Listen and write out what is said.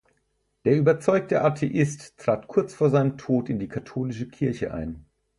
Der überzeugte Atheist trat kurz vor seinem Tod in die Katholische Kirche ein.